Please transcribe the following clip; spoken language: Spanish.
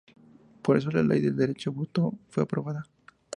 Por eso la "Ley de derecho al voto" fue aprobada.